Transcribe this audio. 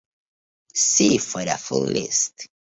See for the full list.